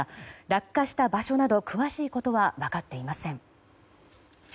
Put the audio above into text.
落下した場所など詳しいことは分かっていません。